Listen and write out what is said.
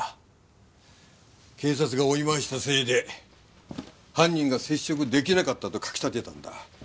警察が追い回したせいで犯人が接触出来なかったと書き立てたんだ。